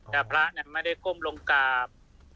แต่พระไม่ได้ก้มลงกราบ